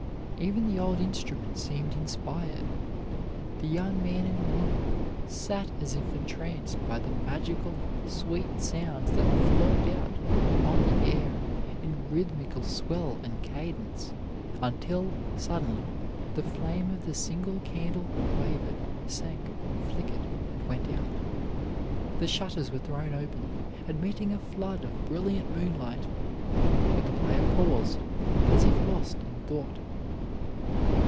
Even the old instrument seemed inspired. The young man and woman sat as if entranced by the magical, sweet sounds that flowed out upon the air in rhythmical swell and cadence, until, suddenly, the flame of the single candle wavered, sank, flickered, and went out. The shutters were thrown open, admitting a flood of brilliant moonlight, but the player paused, as if lost in thought.